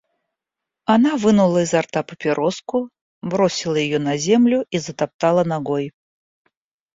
Она вынула изо рта папироску, бросила её на землю и затоптала ногой.